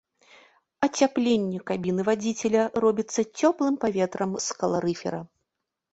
Ацяпленне кабіны вадзіцеля робіцца цёплым паветрам з каларыфера.